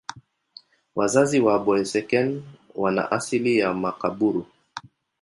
Wazazi wa Boeseken wana asili ya Makaburu.